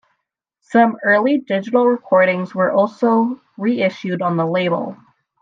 Some early digital recordings were also reissued on the label.